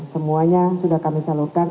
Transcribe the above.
semuanya sudah kami salurkan